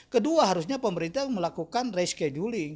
kedua harusnya pemerintah melakukan rescheduling